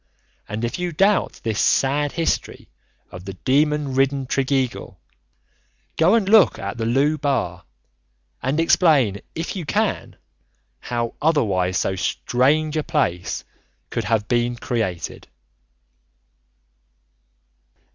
And if you doubt this sad history of the demon ridden Tregeagle, go and look at the Looe Bar and explain if you can how otherwise so strange a place could have been created.